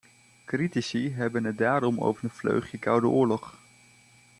Critici hebben het daarom over een vleugje koude oorlog.